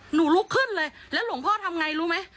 ลุกขึ้นเลยแล้วหลวงพ่อทำไงรู้ไหม